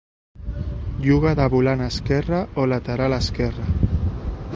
Juga de volant esquerre o lateral esquerre.